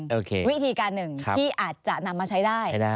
โอเควิธีการหนึ่งที่อาจจะนำมาใช้ได้